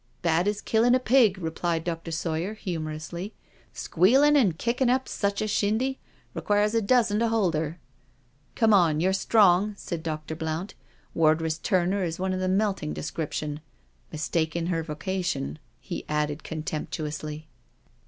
" Bad as killing a pig," replied Dr. Sawyer humour ously. Squealing and kicking up such a shindy — requires a dozen to hold her.'* "Come on, you're strong," said Dr. Blount. "Ward ress Turner is of the melting description— mistaken her vocation," he added contemptuously.